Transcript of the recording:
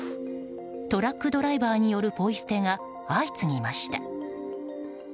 トラックドライバーによるポイ捨てが相次ぎました。